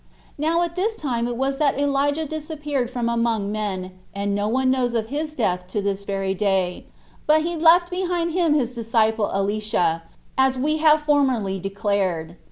Now at this time it was that Elijah disappeared from among men, and no one knows of his death to this very day; but he left behind him his disciple Elisha, as we have formerly declared.